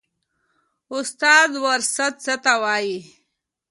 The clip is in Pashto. استاده وراثت څه ته وایي